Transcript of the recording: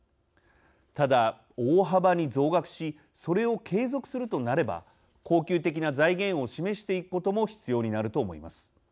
ただ、大幅に増額しそれを継続するとなれば恒久的な財源を示していくことも必要になると思います。